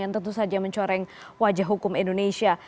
yang tentu saja mencoreng wajah hukum indonesia